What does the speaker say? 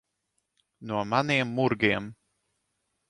No maniem murgiem.